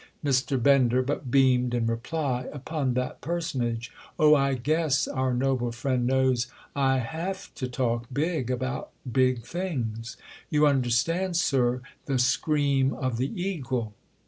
Mr. Bender but beamed, in reply, upon that personage. "Oh, I guess our noble friend knows I have to talk big about big things. You understand, sir, the scream of the eagle!"